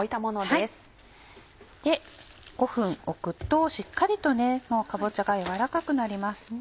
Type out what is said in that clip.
で５分置くとしっかりとねかぼちゃが軟らかくなります。